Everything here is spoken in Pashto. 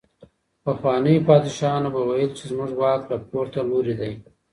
پخوانيو پادشاهانو به ويل چي زموږ واک له پورته لوري دی.